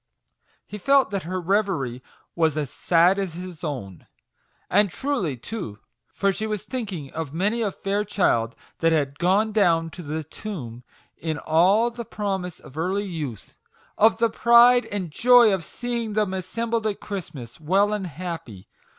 He felt that her reverie was as sad as his own; and truly too, for she was thinking of many a fair child that had gone down to the tomb in all the promise of early youth ! of the pride and joy of seeing them assembled at Christmas, well and happy